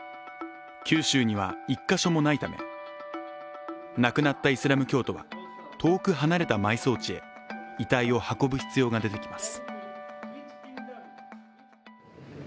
九州には１か所もないため、亡くなったイスラム教徒は遠く離れた埋葬地へ遺体を運ぶ必要が出てきます。